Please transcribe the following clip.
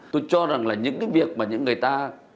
tôi cho rằng là những cái việc mà những người ta